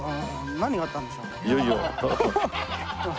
何があったんでしょう？